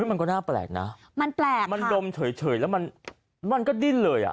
มันก็น่าแปลกนะมันดมเฉยแล้วมันก็ดิ้นเลย